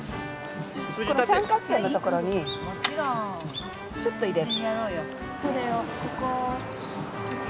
この三角形の所にちょっと入れる。